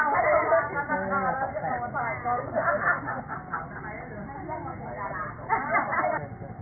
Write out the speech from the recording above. เรื่องอะไรคะ